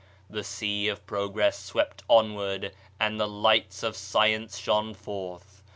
The sea of progress swept onward and the lights of science shone forth.